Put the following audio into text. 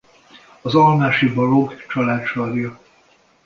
Az almási Balogh család sarja.